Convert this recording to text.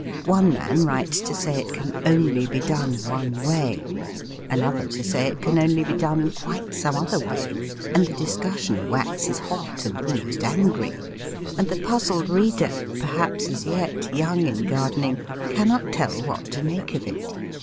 One man writes to say it can only be done one way, another to say it can only be done quite some other way, and the discussion waxes hot and almost angry, and the puzzled reader, perhaps as yet young in gardening, cannot tell what to make of it.